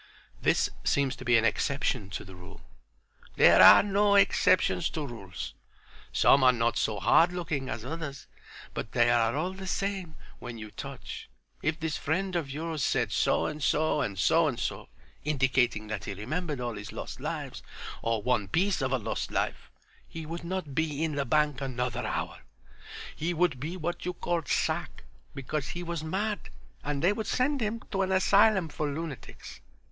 "This seems to be an exception to the rule." "There are no exceptions to rules. Some are not so hard looking as others, but they are all the same when you touch. If this friend of yours said so and so and so and so, indicating that he remembered all his lost lives, or one piece of a lost life, he would not be in the bank another hour. He would be what you called sack because he was mad, and they would send him to an asylum for lunatics.